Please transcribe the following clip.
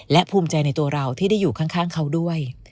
และภูมิใจในตัวเราที่ได้อยู่ข้างเขาด้วย